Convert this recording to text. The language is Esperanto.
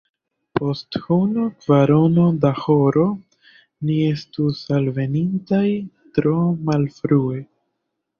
Post unu kvarono da horo, ni estus alvenintaj tro malfrue.